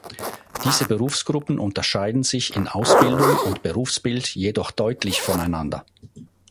Diese Berufsgruppen unterscheiden sich in Ausbildung und Berufsbild jedoch deutlich voneinander.